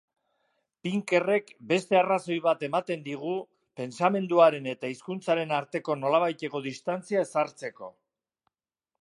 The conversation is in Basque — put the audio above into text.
Pinkerrek beste arrazoi bat ematen digu pentsamenduaren eta hizkuntzaren arteko nolabaiteko distantzia ezartzeko.